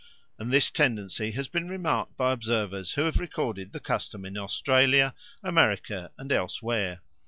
And this tendency has been remarked by observers who have recorded the custom in Australia, America, and elsewhere.